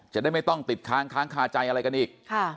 จะได้ไม่ต้องติดค้างค้างคาใจอะไรกันอีก